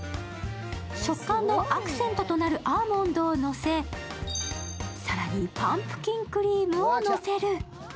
食感のアクセントとなるアーモンドをのせ、更にパンプキンクリームを載せる。